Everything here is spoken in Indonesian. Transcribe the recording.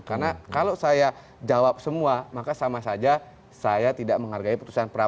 karena kalau saya jawab semua maka sama saja saya tidak menghargai putusan peradilan